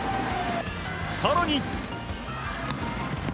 更に。